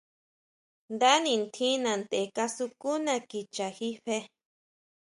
Nda nitjína tʼen kasukuna kicha jí fe.